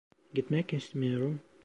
Gitmek istemiyorum.